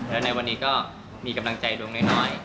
แล้วในวันนี้ก็มีกำลังใจลงน้อย